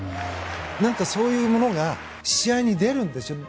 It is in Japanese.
何か、そういうものが試合に出るんですよね。